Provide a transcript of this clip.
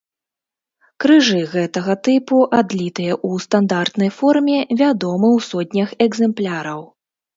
Крыжы гэтага тыпу, адлітыя ў стандартнай форме, вядомы ў сотнях экземпляраў.